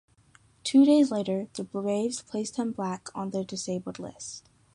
Two days later, the Braves placed him back on the disabled list.